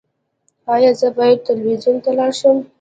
ایا زه باید تلویزیون ته لاړ شم؟